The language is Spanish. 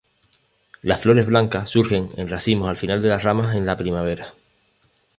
Las flores blancas surgen en racimos al final de las ramas en la primavera.